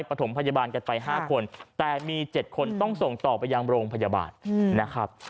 ประถมพยาบาลกันไป๕คนแต่มี๗คนต้องส่งต่อไปยังโรงพยาบาลนะครับ